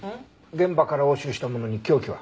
現場から押収したものに凶器は？